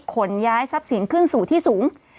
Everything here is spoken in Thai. ขนย้ายทรัพย์สินขึ้นสู่ที่สูง